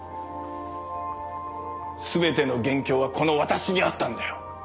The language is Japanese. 全ての元凶はこの私にあったんだよ。